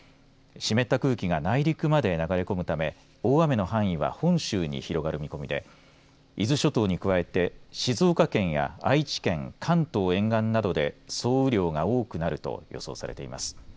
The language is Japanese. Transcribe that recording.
湿った空気が内陸まで流れ込むため大雨の範囲は本州に広がる見込みで伊豆諸島に加えて静岡県や愛知県関東沿岸などで総雨量が多くなると予想されています。